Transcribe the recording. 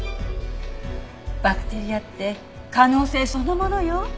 バクテリアって可能性そのものよ。